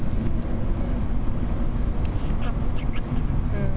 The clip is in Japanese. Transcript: うん。。